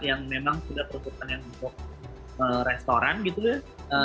yang memang sudah terkesan untuk restoran gitu ya